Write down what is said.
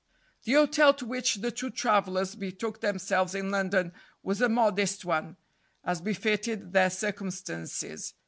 The hotel to which the two travellers betook themselves in London was a modest one, as befitted their circumstances.